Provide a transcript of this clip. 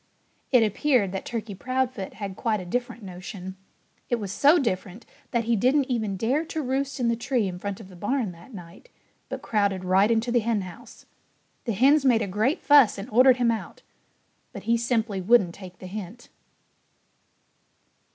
It appeared that Turkey Proudfoot had quite a different notion. It was so different that he didn't even dare to roost in the tree in front of the barn that night, but crowded right into the henhouse. The hens made a great fuss and ordered him out. But he simply wouldn't take the hint.